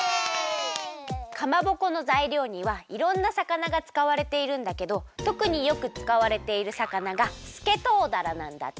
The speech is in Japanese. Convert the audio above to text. かまぼこのざいりょうにはいろんな魚がつかわれているんだけどとくによくつかわれている魚がすけとうだらなんだって！